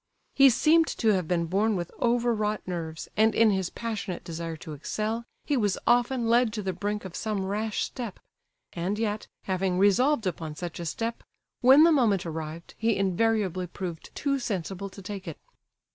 He seemed to have been born with overwrought nerves, and in his passionate desire to excel, he was often led to the brink of some rash step; and yet, having resolved upon such a step, when the moment arrived, he invariably proved too sensible to take it.